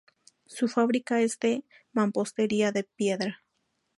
Su fábrica es de mampostería de piedra.